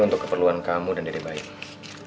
untuk keperluan kamu dan diri baik